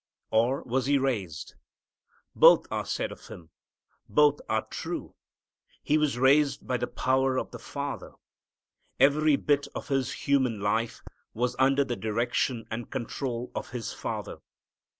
Or, was He raised? Both are said of Him. Both are true. He was raised by the power of the Father. Every bit of His human life was under the direction and control of His Father.